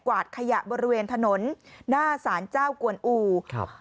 วาดขยะบริเวณถนนหน้าสารเจ้ากวนอูครับ